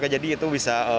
jadi itu bisa